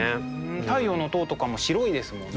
「太陽の塔」とかも白いですもんね。